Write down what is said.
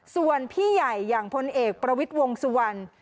ส่วนพี่ใหญ่อย่างพลเอกประวิทย์วงสุวรรณ